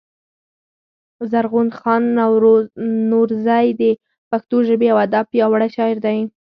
زرغون خان نورزى د پښتو ژبـي او ادب پياوړی شاعر دﺉ.